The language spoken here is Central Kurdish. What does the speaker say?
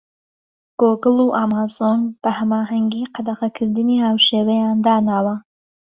گۆگڵ و ئەمازۆن بە هەماهەنگی قەدەغەکردنی هاوشێوەیان داناوە.